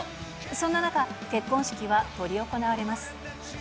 そんな中、結婚式は執り行われます。